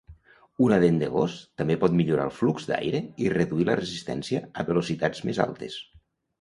Una dent de gos també pot millorar el flux d'aire i reduir la resistència a velocitats més altes.